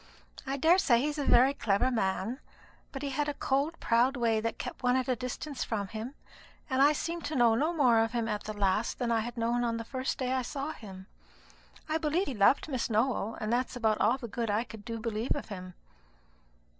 I daresay he is a very clever man; but he had a cold proud way that kept one at a distance from him, and I seemed to know no more of him at the last than I had known on the first day I saw him. I believe he loved Miss Nowell, and that's about all the good I do believe of him."